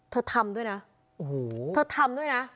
เธอทำด้วยนะโห